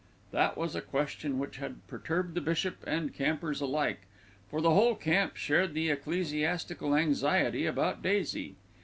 That was a question which had perturbed bishop and campers alike; for the whole camp shared the ecclesiastical anxiety about Daisy.